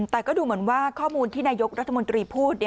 แต่ก็ดูเหมือนว่าข้อมูลที่นายกรัฐมนตรีพูด